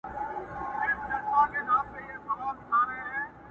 يوه ږغ كړه چي تر ټولو پهلوان يم٫